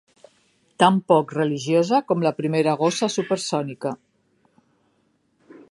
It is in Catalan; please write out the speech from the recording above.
Tan poc religiosa com la primera gossa supersònica.